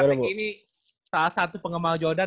ini karena ini salah satu pengemang jodan